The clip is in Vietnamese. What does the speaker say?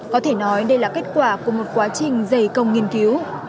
có thể nói đây là kết quả của một quá trình dày công nghiên cứu